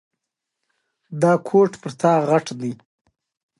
د کاکل جوار اوبه د مثانې د سوزش لپاره وڅښئ